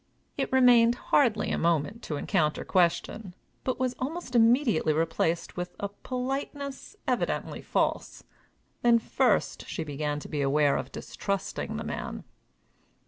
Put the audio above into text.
It remained hardly a moment to encounter question, but was almost immediately replaced with a politeness evidently false. Then, first, she began to be aware of distrusting the man.